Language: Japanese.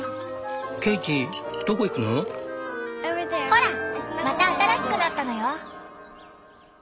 ほらまた新しくなったのよ！